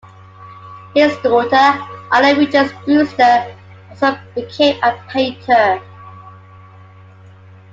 His daughter Anna Richards Brewster also became a painter.